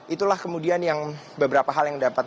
itulah kemudian yang beberapa hal yang dapat kita lihat